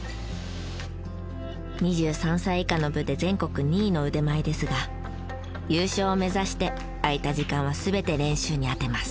２３歳以下の部で全国２位の腕前ですが優勝を目指して空いた時間は全て練習に充てます。